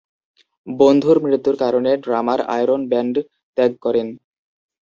বন্ধুর মৃত্যুর কারণে ড্রামার আয়রন ব্যান্ড ত্যাগ করেন।